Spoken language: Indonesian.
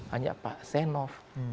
hanya pak senov